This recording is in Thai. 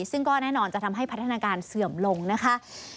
ซึ่งก็แน่นอนจะทำให้พัฒนาการเสื่อมลงนะคะ